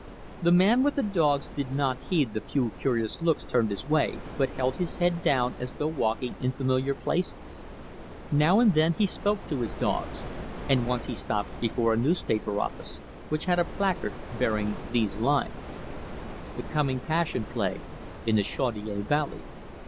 The man with the dogs did not heed the few curious looks turned his way, but held his head down as though walking in familiar places. Now and then he spoke to his dogs, and once he stopped before a newspaper office, which had a placard bearing these lines: The Coming Passion Play In the Chaudiere Valley.